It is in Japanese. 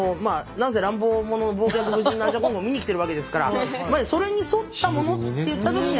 なんせ乱暴者傍若無人なアジャコングを見に来てるわけですからそれに沿ったものっていった時にはやっぱり「おれ」なのかなっていう。